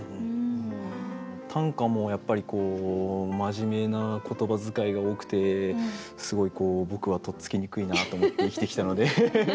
短歌もやっぱり真面目な言葉遣いが多くてすごい僕はとっつきにくいなと思って生きてきたので。